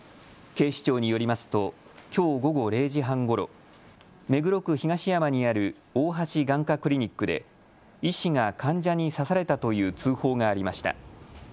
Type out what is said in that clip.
警視庁によりますときょう午後０時半ごろ、目黒区東山にある大橋眼科クリニックで医師が患者に刺されたという通報がありました。